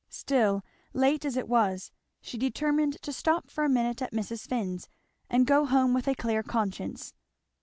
Still, late as it was, she determined to stop for a minute at Mrs. Finn's and go home with a clear conscience.